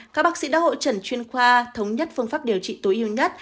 các bác sĩ đã hội trần chuyên khoa thống nhất phương pháp điều trị tối ưu nhất